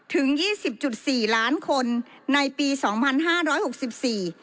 ยี่สิบจุดสี่ล้านคนในปีสองพันห้าร้อยหกสิบสี่